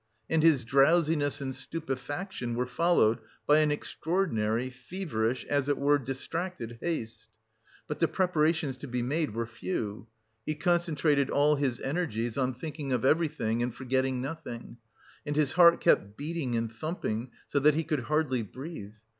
And his drowsiness and stupefaction were followed by an extraordinary, feverish, as it were distracted haste. But the preparations to be made were few. He concentrated all his energies on thinking of everything and forgetting nothing; and his heart kept beating and thumping so that he could hardly breathe.